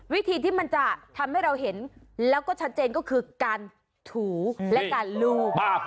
วิธีที่มันจะทำให้เราเห็นแล้วก็ชัดเจนก็คือการถูและการลูบ